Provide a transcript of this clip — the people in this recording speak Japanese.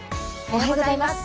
おはようございます。